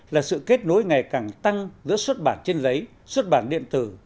là sự kết nối ngày càng tăng giữa xuất bản trên giấy xuất bản điện tử